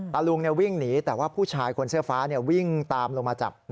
ลุงวิ่งหนีแต่ว่าผู้ชายคนเสื้อฟ้าวิ่งตามลงมาจับ